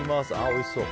おいしそう。